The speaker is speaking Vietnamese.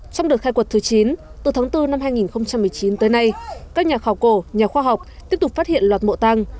trong đợt khai quật thứ chín từ tháng bốn năm hai nghìn một mươi chín tới nay các nhà khảo cổ nhà khoa học tiếp tục phát hiện loạt mộ tăng